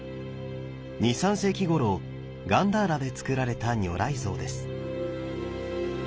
２３世紀ごろガンダーラでつくられた如来像です。